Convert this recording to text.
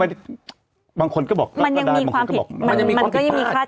มันยังมีความผิดป้าด